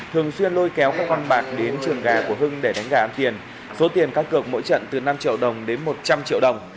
thường xuyên lôi kéo các con bạc đến trường gà của hưng để đánh gà ăn tiền số tiền các cược mỗi trận từ năm triệu đồng đến một trăm linh triệu đồng